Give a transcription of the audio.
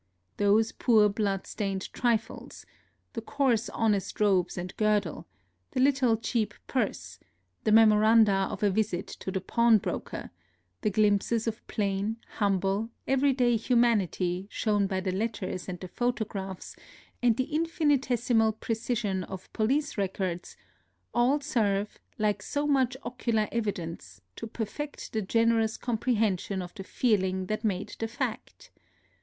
Those poor blood stained trifles — the coarse honest robes and girdle, the little cheap purse, the memoranda of a visit to the pawnbroker, the glimpses of plain, humble, every day hu manity shown by the letters and the photo graphs and the infinitesimal precision of police records — all serve, like so much ocular evi dence, to perfect the generous comprehension of the feeling that made the fact.